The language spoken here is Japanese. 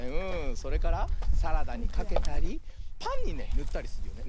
それからサラダにかけたりパンにねぬったりするよね。